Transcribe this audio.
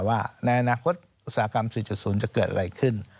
ว่าในอนาคตอุตสาหกรรม๔๐จะเกิดอะไรขึ้น